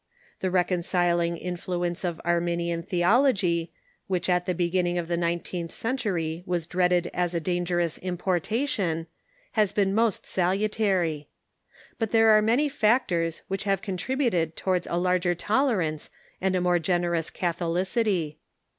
The reconciling influence of Arminian theol ogy, which at the beginning of the nineteenth century was dreaded as a dangerous importation, has been most salutary. But there are many factors Avhich have contributed towards a larger tolerance and a more generous catholicity.